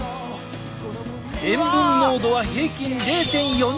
塩分濃度は平均０．４２％。